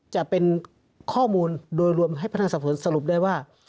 จะเป็นข้อมูลโดยรวมให้พนักงานสอบสวนสรุปได้ว่า